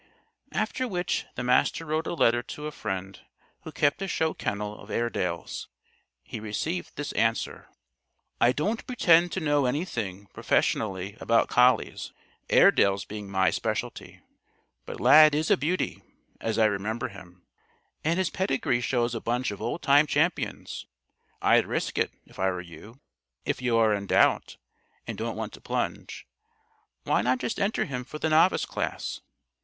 After which, the Master wrote a letter to a friend who kept a show kennel of Airedales. He received this answer: "I don't pretend to know anything, professionally, about collies Airedales being my specialty. But Lad is a beauty, as I remember him, and his pedigree shows a bunch of old time champions. I'd risk it, if I were you. If you are in doubt and don't want to plunge, why not just enter him for the Novice class?